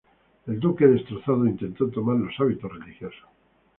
El duque, destrozado, intento tomar los hábitos religiosos.